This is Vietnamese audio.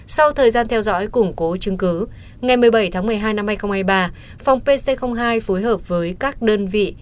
sau thời gian theo dõi củng cố chứng cứ ngày một mươi bảy tháng một mươi hai năm hai nghìn hai mươi ba phòng pc hai phối hợp với các đơn vị